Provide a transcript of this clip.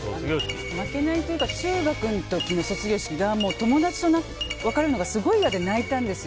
負けないというか中学の時の卒業式が友達と別れるのがすごい嫌で泣いたんですよ。